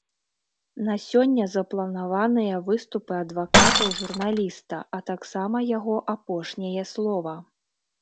На сёння запланаваныя выступы адвакатаў журналіста, а таксама яго апошняе слова.